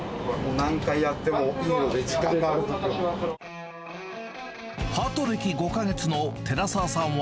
何回やってもいいので、時間があるときは。